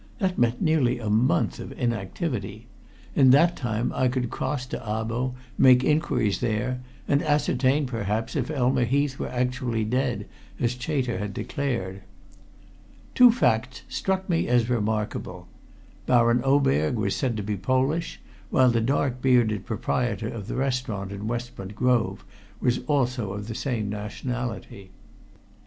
That meant nearly a month of inactivity. In that time I could cross to Abo, make inquiries there, and ascertain, perhaps, if Elma Heath were actually dead as Chater had declared. Two facts struck me as remarkable: Baron Oberg was said to be Polish, while the dark bearded proprietor of the restaurant in Westbourne Grove was also of the same nationality.